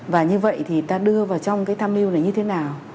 và như vậy thì ta đưa vào trong cái tham mưu này như thế nào